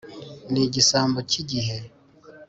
ni igisambo cyigihe